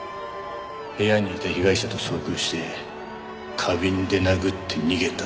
部屋にいた被害者と遭遇して花瓶で殴って逃げたってところか。